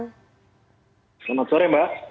selamat sore mbak